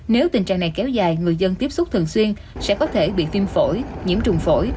nếu tình trạng này kéo dài người dân tiếp xúc thường xuyên sẽ có thể bị viêm phổi nhiễm trùng phổi